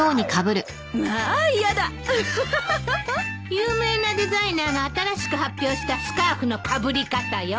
有名なデザイナーが新しく発表したスカーフのかぶり方よ。